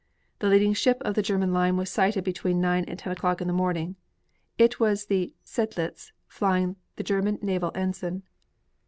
The leading ship of the German line was sighted between 9 and 10 o'clock in the morning. It was the Seydlitz, flying the German naval ensign.